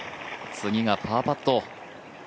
次がパーパット。